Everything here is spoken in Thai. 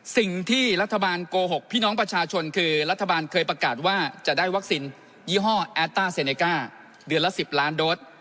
สิ่งที่รัฐบาลโกหกพี่น้องประชาชนคือรัฐบาลเคยประกาศว่าจะได้วัคซีนยี่ห้อแอตต้าเซเนก้าเดือนละ๑๐ล้านโดส